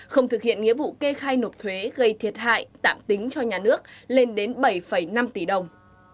không thực hiện nghĩa vụ kê khai nộp thuế gây thiệt hại tạm tính cho nhà nước lên đến bảy năm tỷ đồng